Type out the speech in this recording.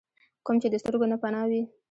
کوم چې د سترګو نه پناه وي ۔